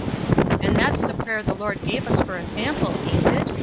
"An' that's the prayer the Lord gave us for a sample, aui't it?"